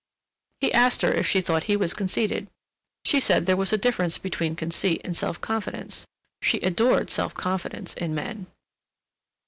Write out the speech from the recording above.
He asked her if she thought he was conceited. She said there was a difference between conceit and self confidence. She adored self confidence in men.